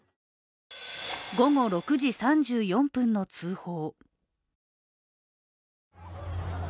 午後６時３４分の通報。